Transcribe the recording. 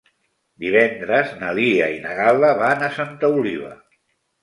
Divendres na Lia i na Gal·la van a Santa Oliva.